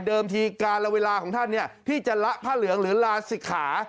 เดิมทีการละเวลาของท่านที่จะละผ้าเหลืองหรือละสิขา